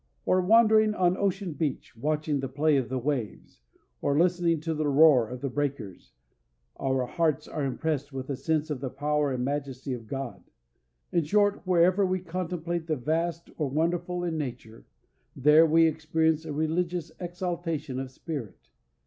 Or, wandering on ocean beach, watching the play of the waves, or listening to the roar of the breakers, our hearts are impressed with a sense of the power and majesty of God. In short, wherever we contemplate the vast or wonderful in nature, there we experience a religious exaltation of spirit.